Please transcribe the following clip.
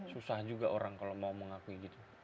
susah juga orang kalau mau mengakui gitu